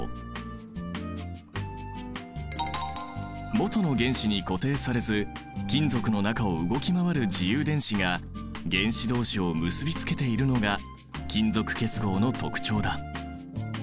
もとの原子に固定されず金属の中を動き回る自由電子が原子どうしを結びつけているのが金属結合の特徴だ。